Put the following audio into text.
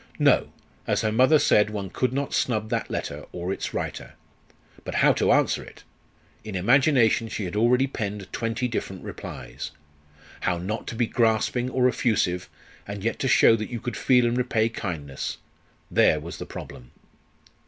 No! as her mother said, one could not snub that letter or its writer. But how to answer it! In imagination she had already penned twenty different replies. How not to be grasping or effusive, and yet to show that you could feel and repay kindness there was the problem!